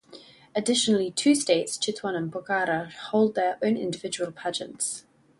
Additionally, two states, Chitwan and Pokhara hold their own individual pageants.